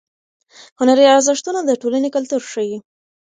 هنري ارزښتونه د ټولنې کلتور ښیي.